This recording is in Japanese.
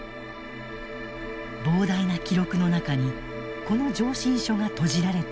膨大な記録の中にこの上申書がとじられていた。